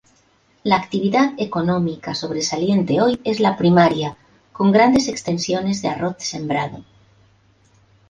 La actividad económica sobresaliente hoy es la primaria, con grandes extensiones de arroz sembrado.